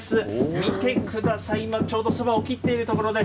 見てください、今、ちょうどそばを切っているところです。